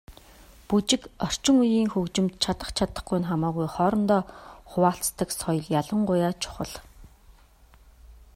Бүжиг, орчин үеийн хөгжимд чадах чадахгүй нь хамаагүй хоорондоо хуваалцдаг соёл ялангуяа чухал.